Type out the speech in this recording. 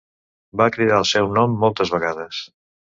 Va cridar el seu nom moltes vegades.